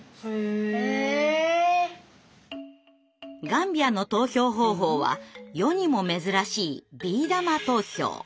ガンビアの投票方法は世にも珍しいビー玉投票。